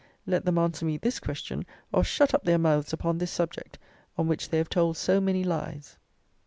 Let them answer me this question, or shut up their mouths upon this subject, on which they have told so many lies.